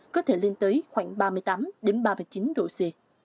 có thể lên tới khoảng ba mươi tám ba mươi chín độ c